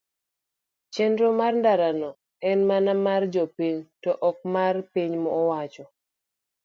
Chenro mar ndara no en mana mar jopiny to ok mar piny owacho.